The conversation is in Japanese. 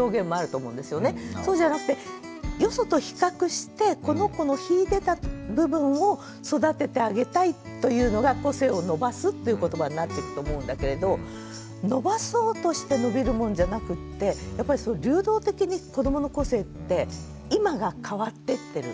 そうじゃなくてよそと比較してこの子の秀でた部分を育ててあげたいというのが個性を伸ばすっていうことばになってくと思うんだけれど伸ばそうとして伸びるものじゃなくってやっぱり流動的に子どもの個性って今が変わってってる。